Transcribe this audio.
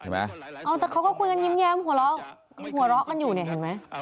แต่เขาก็คุยกันยิ้มหัวเลาะกันอยู่สนี่เห็นมั้ย